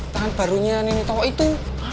tangan barunya nenek toko itu